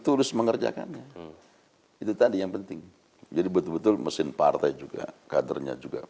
terus mengerjakannya itu tadi yang penting jadi betul betul mesin partai juga kadernya juga